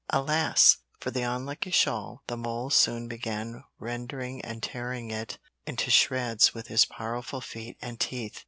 Alas! for the unlucky shawl the mole soon began rending and tearing it into shreds with his powerful feet and teeth.